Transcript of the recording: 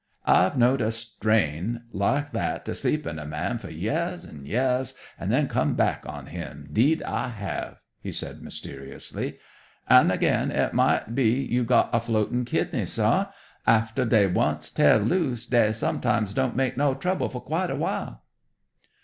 "I've knowed a strain like that to sleep in a man for yeahs and yeahs, and then come back on him, 'deed I have," he said, mysteriously. "An' again, it might be you got a floatin' kidney, sah. Aftah dey once teah loose, dey sometimes don't make no trouble for quite a while."